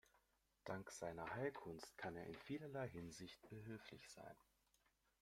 Dank seiner Heilkunst kann er in vielerlei Hinsicht behilflich sein.